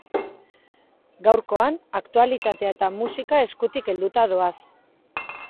Gaurkoan aktualitatea eta musika eskutik helduta doaz.